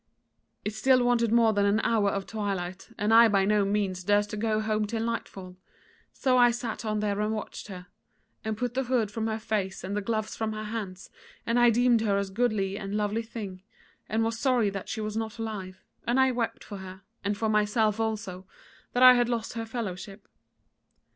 It still wanted more than an hour of twilight, and I by no means durst go home till nightfall; so I sat on there and watched her, and put the hood from her face and the gloves from her hands, and I deemed her a goodly and lovely thing, and was sorry that she was not alive, and I wept for her, and for myself also, that I had lost her fellowship.